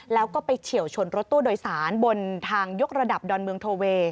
แล้วก็ไปเฉียวชนรถตู้โดยสารบนทางยกระดับดอนเมืองโทเวย์